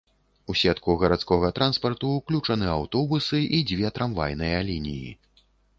У сетку гарадскога транспарту ўключаны аўтобусы і дзве трамвайныя лініі.